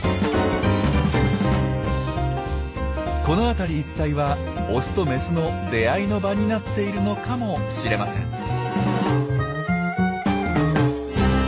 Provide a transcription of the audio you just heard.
この辺り一帯はオスとメスの出会いの場になっているのかもしれません。